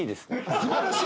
素晴らしい？